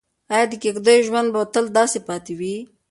ایا د کيږديو ژوند به تل داسې پاتې وي؟